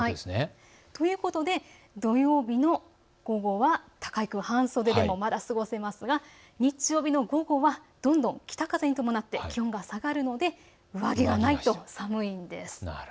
土曜日の午後は高井君、半袖でもまだ過ごせますが日曜日の午後は北風に伴ってどんどん気温が下がるので上着がないと寒いんです。